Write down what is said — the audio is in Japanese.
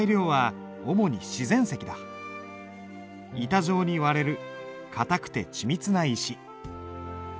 板状に割れる硬くて緻密な石。